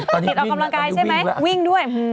ติดออกกำลังกายใช่ไหมวิ่งด้วย